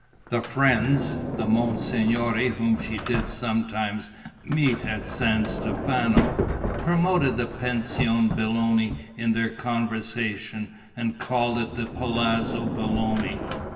The friends, the monsignori whom she did sometimes meet at San Stefano, promoted the Pension Belloni in their conversation and called it the Palazzo Belloni.